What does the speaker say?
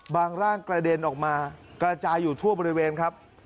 ร่างกระเด็นออกมากระจายอยู่ทั่วบริเวณครับ